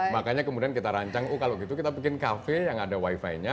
makanya kemudian kita rancang oh kalau gitu kita bikin cafe yang ada wifi nya